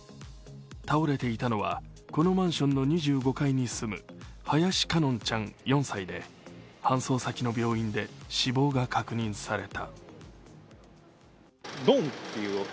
倒れていたのは、このマンションの２５階に住む林奏音ちゃん４歳で搬送先の病院で死亡が確認された。